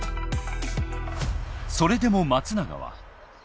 それでも松永は。